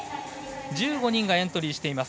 １５人がエントリーしています。